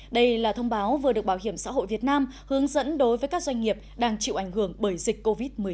đây là thông báo vừa được bảo hiểm xã hội việt nam hướng dẫn đối với các doanh nghiệp đang chịu ảnh hưởng bởi dịch covid một mươi chín